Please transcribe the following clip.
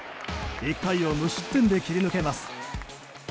１回を無失点で切り抜けます。